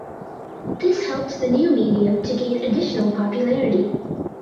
This helped the new medium to gain additional popularity.